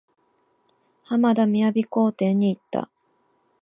浜田雅功展に行った。